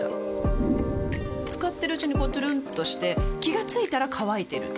使ってるうちにこうトゥルンとして気が付いたら乾いてる